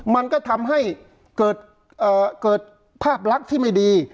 มันก็ทำให้เกิดภาพลักษณ์ที่ไม่ดี